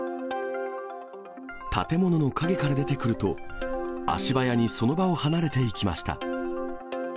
建物の陰から出てくると、足早にその場を離れていきました。